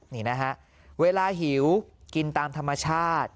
นี่นะฮะเวลาหิวกินตามธรรมชาติ